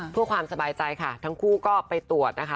เพื่อความสบายใจค่ะทั้งคู่ก็ไปตรวจนะคะ